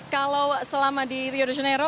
kalau selama di rio de janeiro